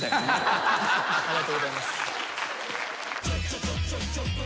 ありがとうございます。